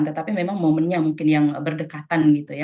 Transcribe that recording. tetapi memang momennya mungkin yang berdekatan gitu ya